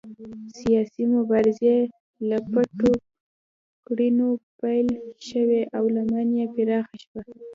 سیاسي مبارزې له پټو کړنو پیل شوې او لمن یې پراخه شوه.